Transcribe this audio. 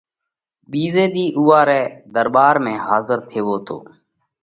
ٻِيزئہ ۮِي اُوئا رئہ ۮرٻار ۾ حاضر ٿيوو تو۔